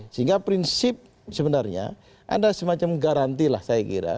sehingga prinsip sebenarnya ada semacam garanti lah saya kira